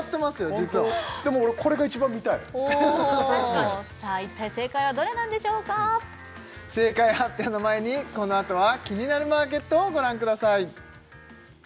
実はでも俺これが一番見たい確かにさあ一体正解はどれなんでしょうか正解発表の前にこのあとは「キニナルマーケット」をご覧ください